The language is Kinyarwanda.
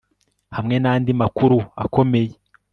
hamwe nandi makuru akomeye